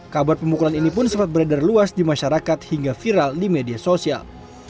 kabar pemukulan ini pun sempat beredar luas di masyarakat hingga viral di media sosial